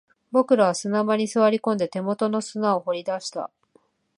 僕らは砂場に座り込んで、手元の砂を掘り出した